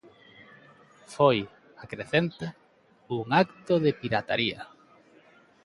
Foi, acrecenta, "un acto de pirataría".